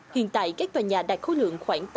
hiện tại các tòa nhà đạt khối lượng khoảng tám mươi tiến độ